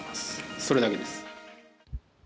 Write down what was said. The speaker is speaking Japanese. それだけです。